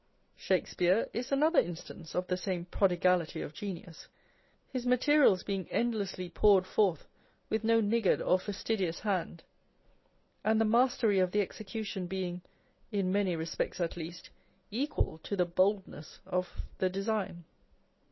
Shakespeare is On Application to Study. 11 another instance of the same prodigality of genius; his materials being endlessly poured forth with no niggard or fastidious hand, and the mastery of the execution being (in many respects at least) equal to the boldness of the design.